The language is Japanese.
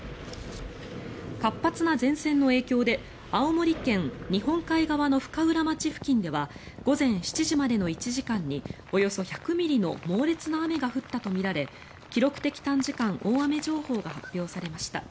活発な前線の影響で青森県日本海側の深浦町付近では午前７時までの１時間におよそ１００ミリの猛烈な雨が降ったとみられ記録的短時間大雨情報が発表されました。